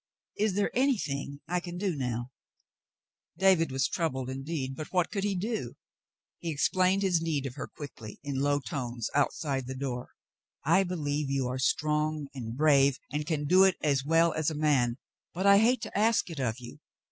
Is there anything I can do now .?'; David was troubled indeed, but what could he do ? He explained his need of her quickly, in low tones, out side the door. *'I believe you are strong and brave and can do it as well as a man, but I hate to ask it of you.